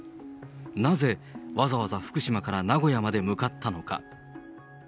なぜわざわざ福島から名古屋まで向かったのか。